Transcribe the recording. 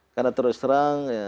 karena terus terang